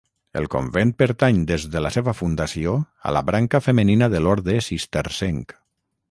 El convent pertany des de la seva fundació a la branca femenina de l'orde cistercenc.